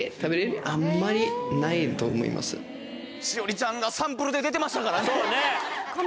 栞里ちゃんがサンプルで出てましたからね。